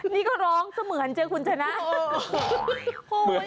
นี่ก็ร้องเสมือนเจ๊คุณใช่ไหม